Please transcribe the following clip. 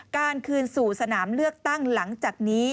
การคืนสู่สนามเลือกตั้งหลังจากนี้